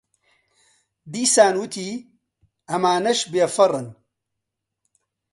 دیسان وتی: ئەمانەش بێفەڕن.